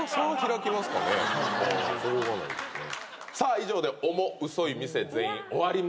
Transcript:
以上でオモウソい店全員終わりました。